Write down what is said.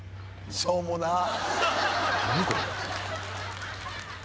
しょうもなっ。